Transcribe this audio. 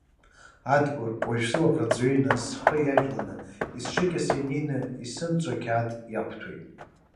Адгәыр, уажәы сылаӷырӡ ҩеины схы иажәлан, исҿыкьаса инеины исымҵоу ақьаад иақәҭәоит.